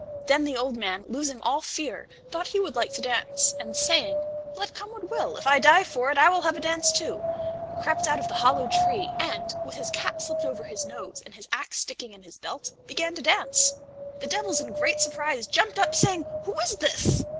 Then the old man, losing all fear, thought he would like to dance, and saying, "Let come what will, if I die for it, I will have a dance, too," crept out of the hollow tree and, with his cap slipped over his nose and his ax sticking in his belt, began to dance. The devils in great surprise jumped up, saying, "Who is this?"